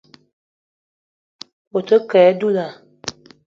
A kə á dula